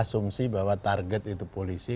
asumsi bahwa target itu polisi